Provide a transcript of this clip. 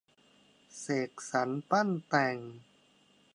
เสกสรรปั้นแต่ง